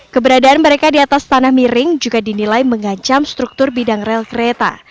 keberadaan mereka di atas tanah miring juga dinilai mengancam struktur bidang rel kereta